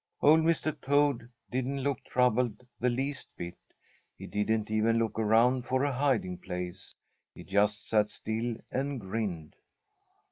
Old Mr. Toad didn't look troubled the least bit. He didn't even look around for a hiding place. He just sat still and grinned.